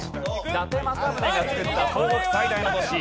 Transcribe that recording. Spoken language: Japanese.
伊達政宗が作った東北最大の都市。